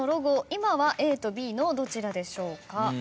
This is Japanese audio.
今はＡとＢのどちらでしょうか？